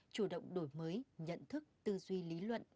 chủ động đổi mới nhận thức tư duy lý luận